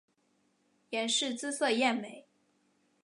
阎氏姿色艳美。